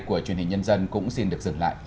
của truyền hình nhân dân cũng xin được dừng lại